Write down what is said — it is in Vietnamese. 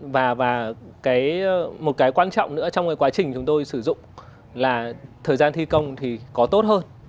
và một cái quan trọng nữa trong cái quá trình chúng tôi sử dụng là thời gian thi công thì có tốt hơn